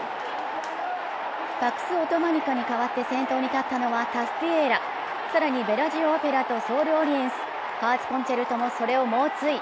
パクスオトマニカにかわって先頭に立ったのはタスティエーラ更にベラジオオペラとソールオリエンス、ハーツコンチェルトもそれを猛追。